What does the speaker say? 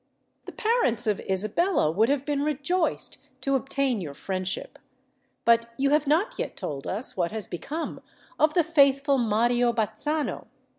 "The parents of Isabella would have been rejoiced to obtain your friendship! But you have not yet told us what has become of the faithful Mario Bazzano.